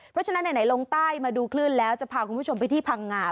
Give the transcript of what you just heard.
เพราะฉะนั้นไหนลงใต้มาดูคลื่นแล้วจะพาคุณผู้ชมไปที่พังงา